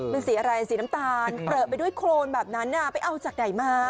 มันสีอะไรสีน้ำตาลเปลือไปด้วยโครนแบบนั้นไปเอาจากไหนมา